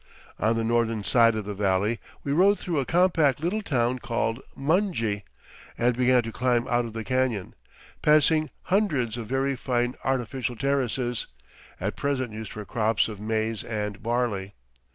On the northern side of the valley we rode through a compact little town called Mungi and began to climb out of the canyon, passing hundreds of very fine artificial terraces, at present used for crops of maize and barley.